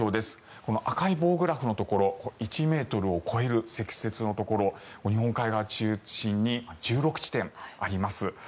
この赤い棒グラフのところ１ｍを超える積雪のところ日本海側を中心に１６地点あります。